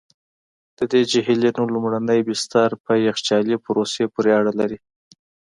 د دې جهیلونو لومړني بستر په یخچالي پروسې پوري اړه لري.